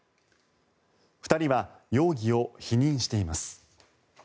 ２人は容疑を否認しています。